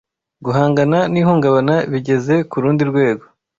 guhangana nihungabana bigeze kurundi rwego